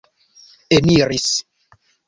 eniris